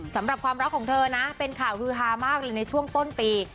สำหรับความรักของเธอนะเป็นข่าวฮือฮามากเลยในช่วงต้นปี